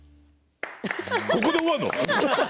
ここで終わんの？